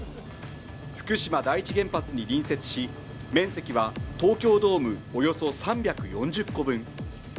福島第一原発に隣接し、面積は東京ドームおよそ３４０個分。